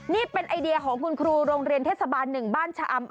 นี่เป็นไอเดียของคุณครูโรงเรียนเทศบาล๑บ้านชะอำ